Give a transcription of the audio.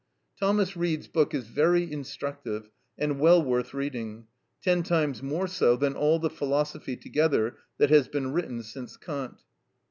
Thomas Reid's book is very instructive and well worth reading—ten times more so than all the philosophy together that has been written since Kant.